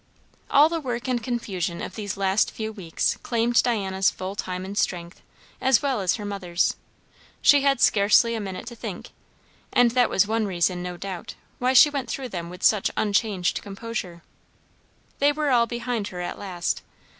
All the work and confusion of these last few weeks claimed Diana's full time and strength, as well as her mother's; she had scarcely a minute to think; and that was one reason, no doubt, why she went through them with such unchanged composure. They were all behind her at last.